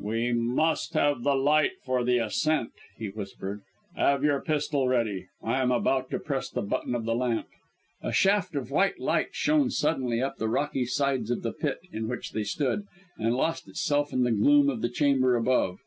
"We must have the light for the ascent," he whispered. "Have your pistol ready; I am about to press the button of the lamp." A shaft of white light shone suddenly up the rocky sides of the pit in which they stood, and lost itself in the gloom of the chamber above.